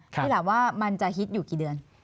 ทีหลังว่ามันจะฮิตอยู่กี่เดือน